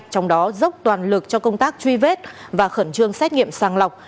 trong đó dốc toàn lực cho công tác truy vết và khẩn trương xét nghiệm sàng lọc